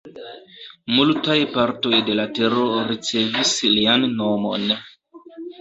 Multaj partoj de la tero ricevis lian nomon.